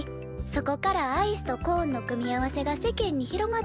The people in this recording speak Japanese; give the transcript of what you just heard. そこからアイスとコーンの組み合わせが世間に広まったといわれています」